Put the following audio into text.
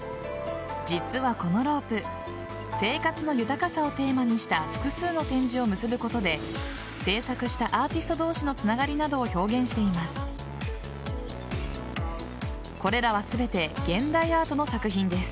実はこのロープ生活の豊かさをテーマにした複数の展示を結ぶことで制作したアーティスト同士のつながりなどを表現しています。